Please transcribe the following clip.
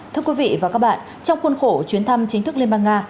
thưa quý vị và các bạn trong khuôn khổ chuyến thăm chính thức liên bang nga